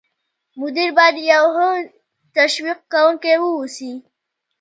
مدیر باید یو ښه تشویق کوونکی واوسي.